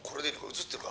映ってるか？」